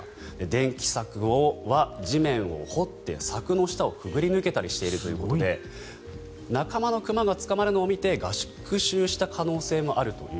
電気柵は地面を掘って柵の下をくぐり抜けたりしているということで仲間の熊が捕まるのを見て学習した可能性もあると。